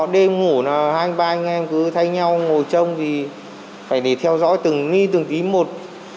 đêm ngủ là hai anh ba anh em cứ thay nhau ngồi trông thì phải để theo dõi từng ni từng ý một